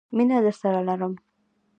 مینه درسره لرم